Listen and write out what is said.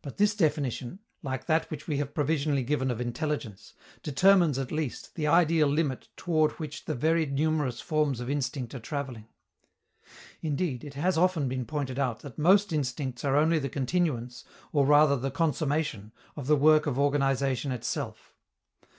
But this definition, like that which we have provisionally given of intelligence, determines at least the ideal limit toward which the very numerous forms of instinct are traveling. Indeed, it has often been pointed out that most instincts are only the continuance, or rather the consummation, of the work of organization itself.